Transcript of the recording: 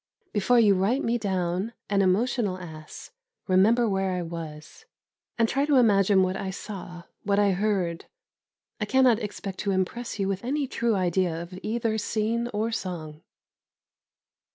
Before you write me down an emotional ass, remember where I was, and try to imagine what I saw, what I heard. I cannot expect to impress you with any true idea of either scene or song.